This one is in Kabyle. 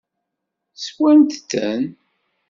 Swant-ten?